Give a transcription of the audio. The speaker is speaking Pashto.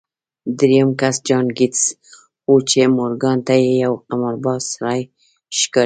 درېيم کس جان ګيټس و چې مورګان ته يو قمارباز سړی ښکارېده.